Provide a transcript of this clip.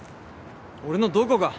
俺のどこが？